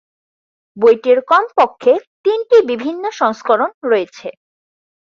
বইটির কমপক্ষে তিনটি বিভিন্ন সংস্করণ রয়েছে।